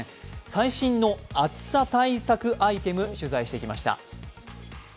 最新の暑さ対策アイテム、取材してきました。